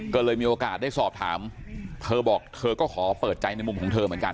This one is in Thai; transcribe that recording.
ก็เลยมีโอกาสได้สอบถามเธอบอกเธอก็ขอเปิดใจในมุมของเธอเหมือนกัน